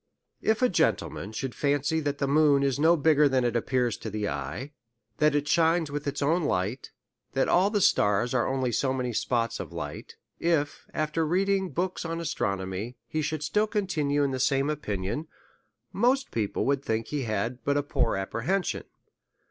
If a gentleman should fancy that the moon is no bigger than it appears to the eye, that it shines with its own light, that all the stars are only so many spots of light ; if, after reading books of astro nomy, he should still continue in the same opinion, most people would think he had but a poor apprehen sion.